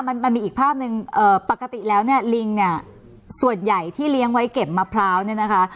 มันมันมีอีกภาพหนึ่งเอ่อปกติแล้วเนี่ยลิงเนี่ยส่วนใหญ่ที่เลี้ยงไว้เก็บมะพร้าวเนี่ยนะคะ